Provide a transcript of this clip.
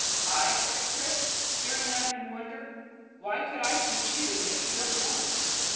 "I?" cried Chris, staring at him in wonder. "Why, what could I teach you that you don't know?"